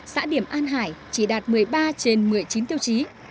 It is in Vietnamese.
xã điểm an hải chỉ đạt một mươi ba trên một mươi chín tiêu chí